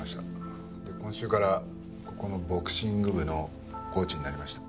今週からここのボクシング部のコーチになりました。